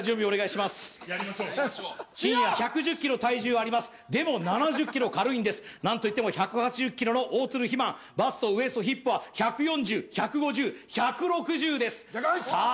しんや１１０ｋｇ体重ありますでも７０ｋｇ軽いんです何といっても１８０ｋｇの大鶴肥満バストウエストヒップは１４０１５０１６０ですさあ